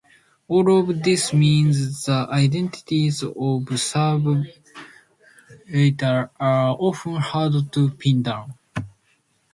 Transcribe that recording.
All of this means the identities of survivors are often hard to pin down.